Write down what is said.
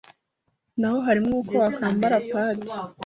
na ho harimo uko wakwambara “pad”.